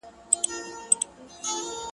چي نه په ویښه نه په خوب یې وي بګړۍ لیدلې!